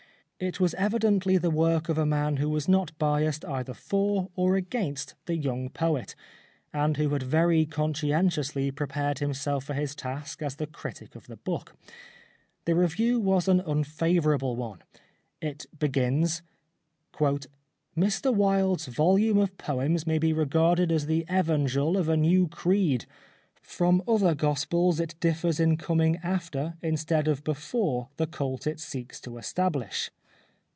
It was evidently the work of a man who was not biassed either for or against the young poet, and who had very conscientiously prepared himself for his task as the critic of the book. The review was an unfavourable one. It begins :" Mr Wilde's volume of poems may be regarded as the evangel of a new creed. From other gospels it differs in coming after, instead of be fore, the cult it seeks to establish."